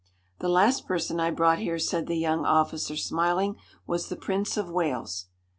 "The last person I brought here," said the young officer, smiling, "was the Prince of Wales."